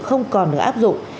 không còn được áp dụng